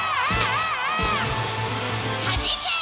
「はじけ！」